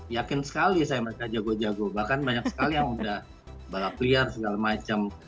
yakin sekali saya mereka jago jago bahkan banyak sekali yang udah balap liar segala macam